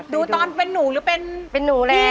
ดูตอนเป็นหนูหรือเป็นพี่เป็นหนูแหละ